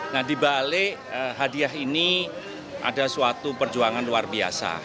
nah dibalik hadiah ini ada suatu perjuangan luar biasa